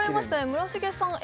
村重さんＡ